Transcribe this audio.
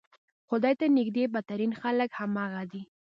خدای ته نږدې بدترین خلک همغه دي.